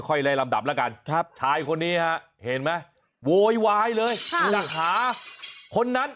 ค่อยไล่ลำดับละกันชายคนนี้เห็นไหมโวยวายเลยจะหาคนนั้น